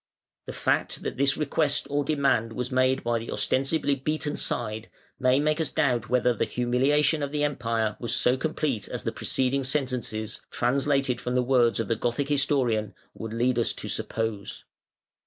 The fact that this request or demand was made by the ostensibly beaten side, may make us doubt whether the humiliation of the Empire was so complete as the preceding sentences (translated from the words of the Gothic historian) would lead us to suppose.